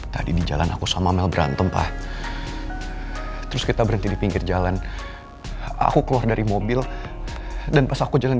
tidak apa sih sebenarnya